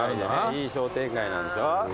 いい商店街なんでしょ。